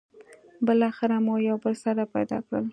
بالاخره مو یو بل سره پيدا کړل.